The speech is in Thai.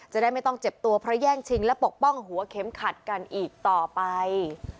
จะได้ไม่ต้องเจ็บตัวเพราะแย่งชิงและปกป้องหัวเข็มขัดกันอีกต่อไป